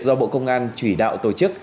do bộ công an chỉ đạo tổ chức